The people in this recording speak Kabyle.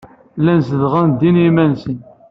Llan zedɣen din i yiman-nsen.